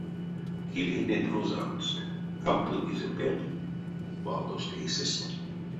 Килейнеть озавтсть, кавто кизэнь перть валность эйсэст.